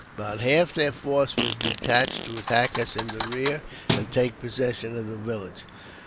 About half their force was detached to attack us in the rear, and take possession of the || village.